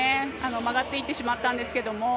曲がっていってしまったんですけれども。